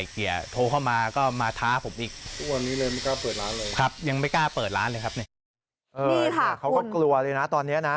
เขาก็กลัวเลยนะตอนนี้นะ